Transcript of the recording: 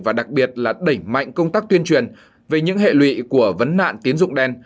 và đặc biệt là đẩy mạnh công tác tuyên truyền về những hệ lụy của vấn nạn tiến dụng đen